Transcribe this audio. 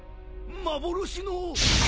幻の。